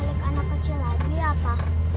kita nyulik anak kecil lagi ya pak